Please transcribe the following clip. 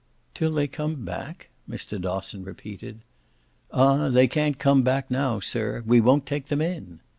"'Till they come back'?" Mr. Dosson repeated. "Ah they can't come back now, sir. We won't take them in!"